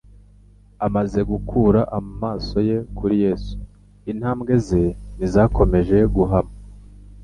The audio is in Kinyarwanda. Amaze gukura amaso ye kuri Yesu, intambwe ze ntizakomeje guhama;